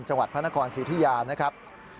จังหวัดพระนครสิทธิยานะครับ